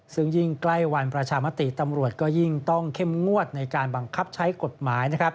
ซึ่งยิ่งใกล้วันประชามติตำรวจก็ยิ่งต้องเข้มงวดในการบังคับใช้กฎหมาย